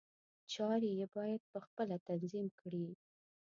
چارې یې باید په خپله تنظیم کړي.